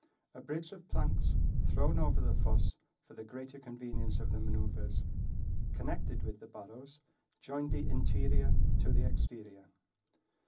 A bridge of planks thrown over the fosses for the greater convenience of the maneuvers connected with the barrows, joined the interior to the exterior.